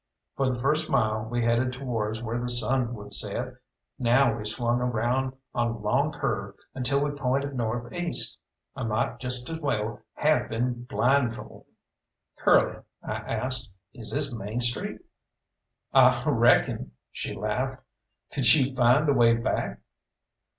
For the first mile we headed towards where the sun would set, now we swung around on a long curve until we pointed north east. I might just as well have been blindfold. "Curly," I asked, "is this Main Street?" "I reckon," she laughed. "Could you find the way back?"